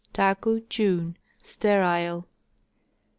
Taku, June. Sterile.